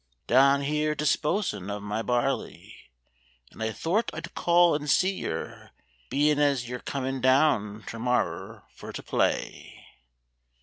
Down here disposin' of my barley, and I thort I'd call and see yer, being as Yer comin' down ter morrer fur to play."